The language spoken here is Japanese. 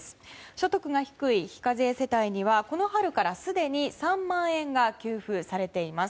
所得が低い非課税世帯にはこの春からすでに３万円が給付されています。